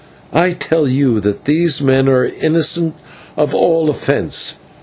I tell you that these men are innocent of all offence.